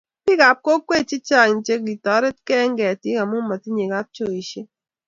Biik ab kokwee che chang ko kotoretekei eng kertii emu motinye kapchoishe,